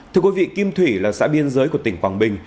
thưa quý vị kim thủy là xã biên giới của tỉnh quảng bình